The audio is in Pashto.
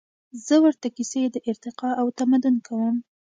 زهٔ ورته کیسې د ارتقا او تمدن کوم